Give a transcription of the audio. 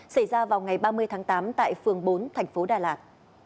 xảy ra vào ngày ba mươi tháng tám tại phường bốn tp đà lạt